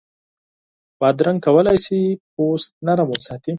بادرنګ کولای شي پوستکی نرم وساتي.